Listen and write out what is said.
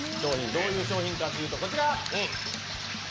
どういう商品化というと、こちら。